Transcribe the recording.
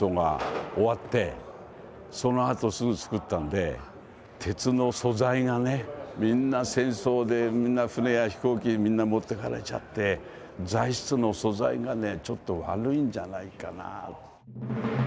そのあとすぐつくったんで鉄の素材がねみんな戦争でみんな船や飛行機にみんな持ってかれちゃって材質の素材がねちょっと悪いんじゃないかなあ。